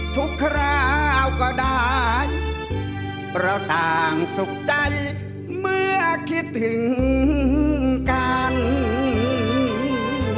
คราวก็ได้เราต่างสุขใจเมื่อคิดถึงกัน